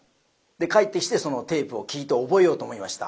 帰ってきてそのテープを聞いて覚えようと思いました。